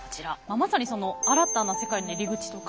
まさにその「新たな世界の入口」とか。